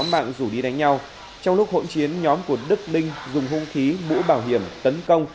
bạn rủ đi đánh nhau trong lúc hỗn chiến nhóm của đức đinh dùng hung khí mũ bảo hiểm tấn công